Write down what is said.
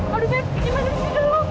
aduh kita lari